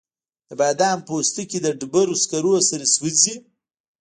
د بادامو پوستکي د ډبرو سکرو سره سوځي؟